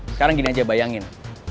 sekarang gini aja bayangin